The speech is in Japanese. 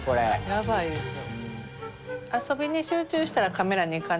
やばいですよ。